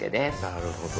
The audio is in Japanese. なるほど。